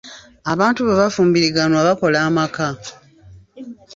Abantu bwe bafumbiriganwa, bakola amaka